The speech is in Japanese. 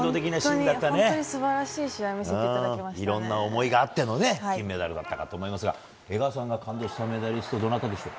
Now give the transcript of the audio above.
本当に素晴らしい試合をいろんな思いがあっての金メダルだと思いますが江川さんが感動したメダリストは誰でしょう？